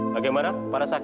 bagaimana pada saksi